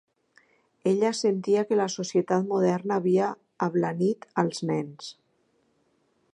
Ella sentia que la societat moderna havia "ablanit" als nens.